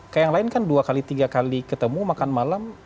kayak yang lain kan dua kali tiga kali ketemu makan malam